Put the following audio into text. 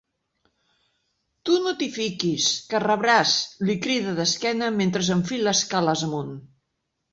Tu no t'hi fiquis, que rebràs –li crida d'esquena mentre enfila escales amunt.